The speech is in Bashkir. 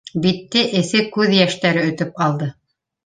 Битте эҫе күҙ йәштәре өтөп алды.